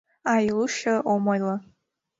Ай, лучо ом ойло.